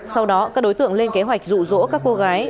sau đó các đối tượng lên kế hoạch rụ rỗ các cô gái